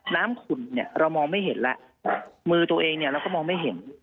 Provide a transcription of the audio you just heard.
น้ำขุ่นเรามองไม่เห็นแล้วมือตัวเองเราก็มองไม่เห็น